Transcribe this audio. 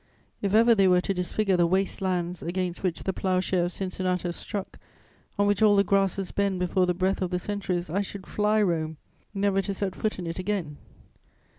If ever they were to disfigure the waste lands against which the ploughshare of Cincinnatus struck, on which all the grasses bend before the breath of the centuries, I should fly Rome, never to set foot in it again.